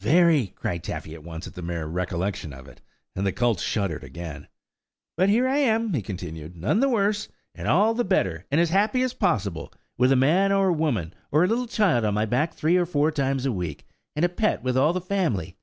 "Very," cried Taffy at once, at the mere recollection of it, and the colts shuddered again. "But here I am," he continued, "none the worse, and all the better, and as happy as possible, with a man or woman, or a little child on my back three or four times a week, and a pet with all the family.